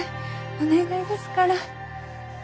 お願いですから。